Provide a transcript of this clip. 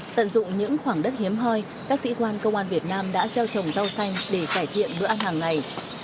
tận dụng những khoảng đất hiếm hoi các sĩ quan công an việt nam đã gieo trồng rau xanh để cải thiện bữa ăn hàng ngày